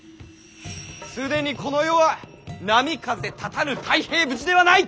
既にこの世は波風立たぬ泰平無事ではない！